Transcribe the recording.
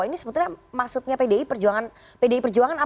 ini sebenarnya maksudnya pdi perjuangan apa ya pak erik